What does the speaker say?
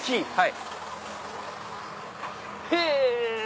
はい。